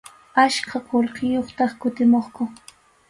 Achka qullqiyuqtaq kutimuqku.